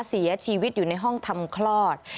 เสียชีวิตอยู่ในห้องทำคลอด